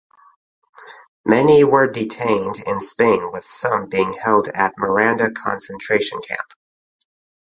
Many were detained in Spain with some being held at Miranda concentration camp.